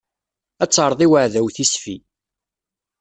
Ad terreḍ i uɛdaw tisfi.